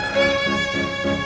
gimana kita akan menikmati rena